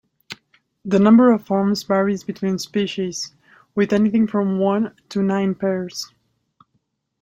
The number of arms varies between species, with anything from one to nine pairs.